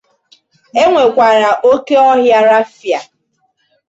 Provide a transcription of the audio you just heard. E nwekwara oke ọhịa raffia.